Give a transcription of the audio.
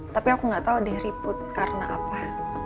tapi aku nggak tahu deh ribut karena apa